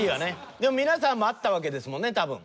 でも皆さんもあったわけですもんね多分。